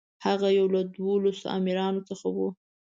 هغه یو له دولسو امیرانو څخه و.